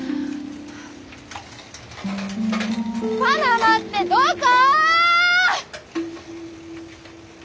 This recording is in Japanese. パナマってどこ！？